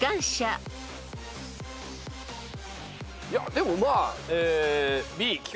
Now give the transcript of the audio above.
でもまあ。